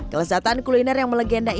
kelezatan kuliner yang melegendari